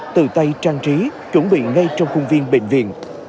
từ tay trang trí chuẩn bị ngay trong khung viên bệnh viện